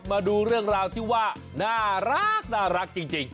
มาดูเรื่องราวที่ว่าน่ารักจริง